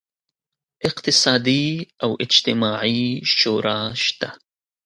اقتصادي او اجتماعي شورا شته.